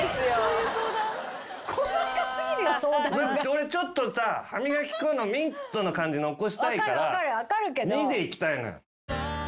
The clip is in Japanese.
俺ちょっとさ歯磨き粉のミントの感じ残したいから２でいきたいの。